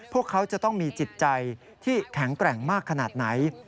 พวกเขาจะต้องมีจิตใจที่แข็งแกร่งมากขนาดไหน